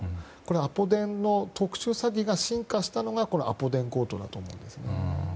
アポ電の特殊詐欺が進化したのがアポ電強盗だと思います。